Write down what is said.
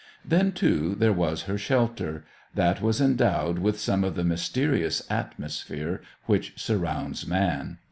Then, too, there was her shelter; that was endowed with some of the mysterious atmosphere which surrounds man.